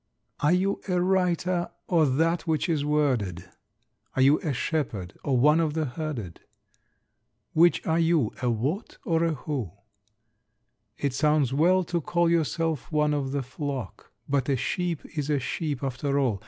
Are you a writer, or that which is worded? Are you a shepherd, or one of the herded? Which are you a What or a Who? It sounds well to call yourself "one of the flock," But a sheep is a sheep after all.